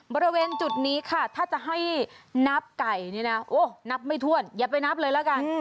บริเวณจุดนี้ค่ะถ้าจะให้นับไก่นี่นะโอ้นับไม่ถ้วนอย่าไปนับเลยละกัน